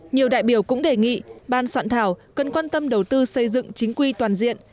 nhiều đại biểu cũng đề nghị ban soạn thảo cần quan tâm đầu tư xây dựng chính quy toàn diện